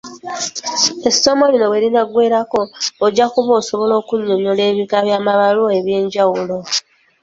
Essomo lino we linaggweerako, ojja kuba osobola okunnyonnyola ebika by'amabbaluwa eby'enjawulo.